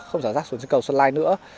không xả rác xuống chân cầu xuân lai nữa